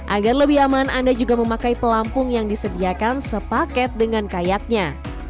agar lebih aman anda juga memakai pelampung yang disediakan sepaket dengan kayaknya